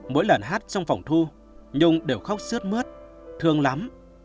mỗi lần hát trong phòng thu nhung đều khóc suốt mướt thương lắm